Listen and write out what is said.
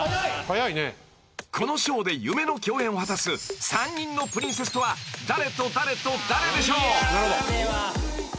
［このショーで夢の共演を果たす３人のプリンセスとは誰と誰と誰でしょう］